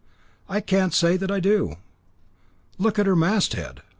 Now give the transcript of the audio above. "I can't say that I do." "Look at her masthead.